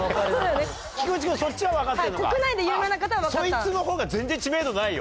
そいつのほうが全然知名度ないよ。